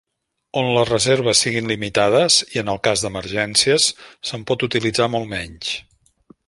On les reserves siguin limitades, i en el cas d'emergències, se'n pot utilitzar molt menys.